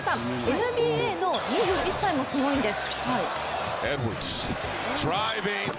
ＮＢＡの２１歳もすごいんです。